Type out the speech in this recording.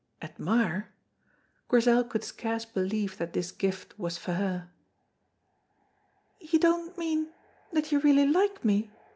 Admire! Grizel could scarce believe that this gift was for her. "You don't mean that you really like me?"